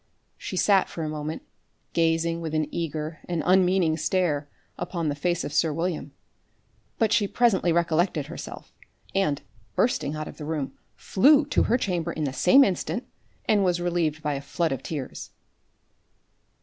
She sat for a moment gazing with an eager and unmeaning stare upon the face of sir William. But she presently recollected herself, and, bursting out of the room, flew to her chamber in the same instant, and was relieved by a flood of tears.